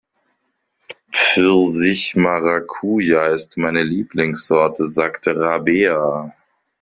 Pfirsich-Maracuja ist meine Lieblingssorte, sagt Rabea.